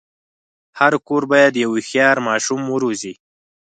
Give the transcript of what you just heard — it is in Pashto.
هر کور باید یو هوښیار ماشوم وروزي.